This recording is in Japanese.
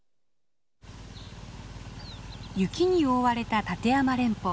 雪に覆われた立山連峰。